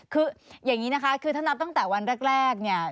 คืออย่างนี้นะคะคือถ้านับตั้งแต่วันแรกเนี่ย